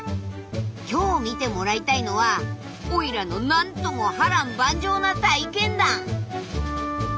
今日見てもらいたいのはオイラの何とも波乱万丈な体験談。